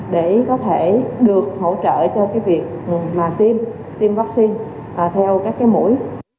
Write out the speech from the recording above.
để có thể được hỗ trợ cho việc tiêm vaccine theo các mũi